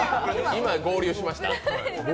今、合流しました。